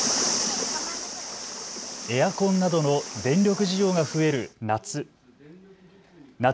エアコンなどの電力需要が増える夏。